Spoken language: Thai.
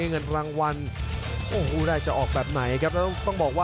เงินแพลงวัลได้จะออกแบบไหน